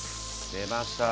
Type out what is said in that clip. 出ました。